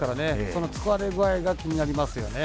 その疲れ具合が気になりますよね。